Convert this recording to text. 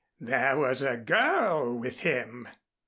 There was a girl with him."